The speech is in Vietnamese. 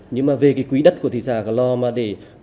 nhưng mà về cái quỹ đất của thị xã cửa lò mà để có được